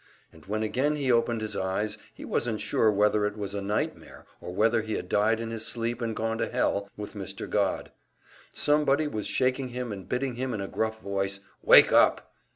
And when again he opened his eyes, he wasn't sure whether it was a nightmare, or whether he had died in his sleep and gone to hell with Mr. Godd. Somebody was shaking him, and bidding him in a gruff voice, "Wake up!"